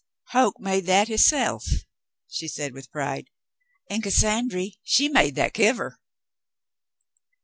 "Hoke made that hisself," she said with pride. "And Cassandry, she made that kiver."